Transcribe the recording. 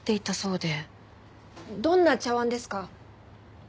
どんな茶碗ですか？